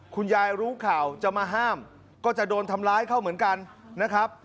คุณยายรู้ข่าวจะมาห้ามก็จะโดนทำร้ายเข้าเหมือนกันนะครับ